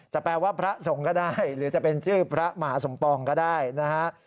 แปลว่าพระสงฆ์ก็ได้หรือจะเป็นชื่อพระมหาสมปองก็ได้นะฮะ